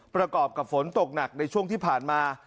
ประกอบกับฝนตกหนักในช่วงที่ผ่านมา